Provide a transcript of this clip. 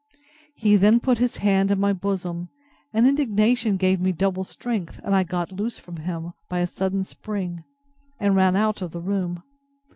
He then put his hand in my bosom, and indignation gave me double strength, and I got loose from him by a sudden spring, and ran out of the room!